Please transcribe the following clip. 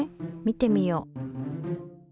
見てみよう。